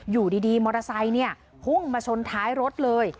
อยู่ดีมอเตอร์ไซค์เนี่ยพุ่งมาชนท้ายรถเลย